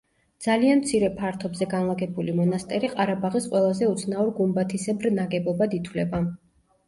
ძალიან მცირე ფართობზე განლაგებული მონასტერი ყარაბაღის ყველაზე უცნაურ გუმბათისებრ ნაგებობად ითვლება.